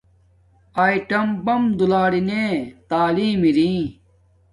اݶٹم بمپ دولارینے تعلیم اری